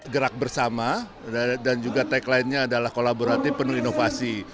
gerak bersama dan juga tagline nya adalah kolaboratif penuh inovasi